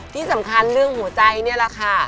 ที่สำคัญเรื่องหัวใจนี่แหละค่ะ